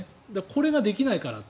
これができないから。